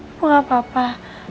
ibu gak apa apa